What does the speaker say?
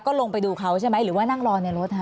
ก็ลงไปดูเขาใช่ไหมหรือว่านั่งรอในรถฮะ